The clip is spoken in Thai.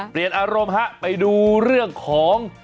เปลี่ยนอารมณ์ฮะไปดูเรื่องของ